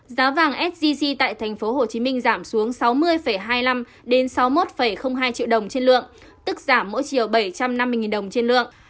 giá vàng sgc tại tp hcm giảm xuống sáu mươi hai mươi năm sáu mươi một hai triệu đồng trên lượng tức giảm mỗi chiều bảy trăm năm mươi đồng trên lượng